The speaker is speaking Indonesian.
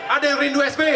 ada yang rindu sby